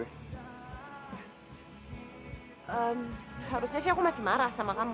harusnya sih aku masih marah sama kamu